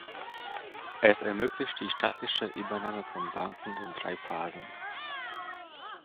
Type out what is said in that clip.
Es ermöglicht die staatliche Übernahme von Banken in drei Phasen.